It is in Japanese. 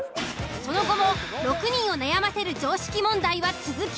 その後も６人を悩ませる常識問題は続き。